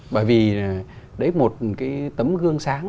bởi vì đấy một cái tấm gương sáng